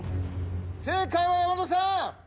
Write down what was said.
正解は山田さん。